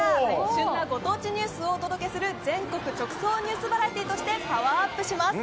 旬なご当地ニュースをお届けする、全国直送ニュースバラエティーとして、パワーアップします。